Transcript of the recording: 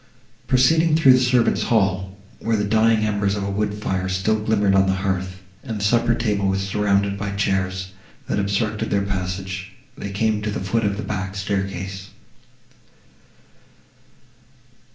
Proceeding through the servants hall, where the dying embers of a wood fire still glimmered on the hearth, and the supper table was surrounded by chairs, that obstructed their passage, they came to the foot of the back staircase.